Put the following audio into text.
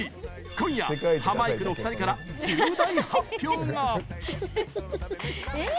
今夜、ハマいくの２人から重大発表が！